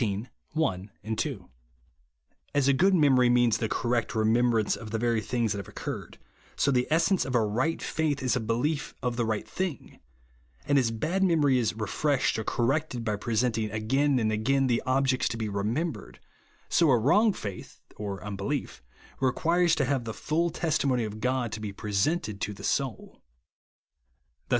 Yet the salvation is not in our act of believing, trusting, knowing, or re * A s a good memory means tlie correct remembrance of the very tilings that have occurred ; so the essence of a right faith is a belief of the right thing. And as bad memory is refreshed or corrected by presenting again and again the objects to be remembered, so a wrong faith (or unbelief) requires to have the full testimony of God to be presented to the soui.